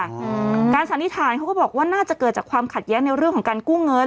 อืมการสันนิษฐานเขาก็บอกว่าน่าจะเกิดจากความขัดแย้งในเรื่องของการกู้เงิน